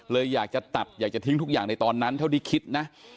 เลยอยากจะตัดอยากจะทิ้งทุกอย่างในตอนนั้นเท่าที่คิดนะ